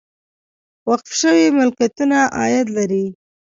وقف شوي ملکیتونه عاید لري